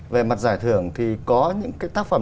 về mặt giải thưởng thì có những cái tác phẩm